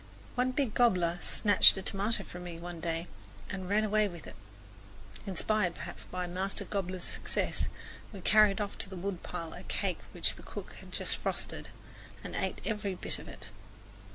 One big gobbler snatched a tomato from me one day and ran away with it. Inspired, perhaps, by Master Gobbler's success, we carried off to the woodpile a cake which the cook had just frosted, and ate every bit of it.